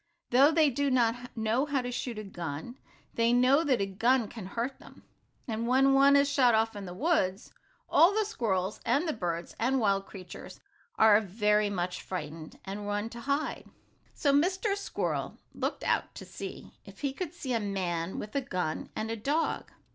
Though they do not know how to shoot a gun, they know that a gun can hurt them, and when one is shot off in the woods, all the squirrels, and the birds and wild creatures, are very much frightened, and run to hide. So Mr. Squirrel looked out to see if he could see a man with a gun and a dog.